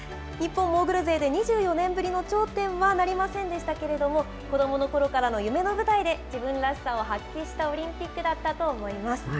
日本モーグル勢で２４年ぶりの頂点はなりませんでしたけれども、子どものころからの夢の舞台で、自分らしさを発揮したオリンピックだったと思います。